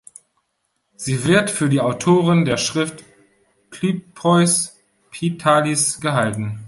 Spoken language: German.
Sie wird für die Autorin der Schrift "Clypeus pietatis" gehalten.